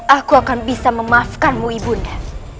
aku akan bisa memaafkanmu ibu nda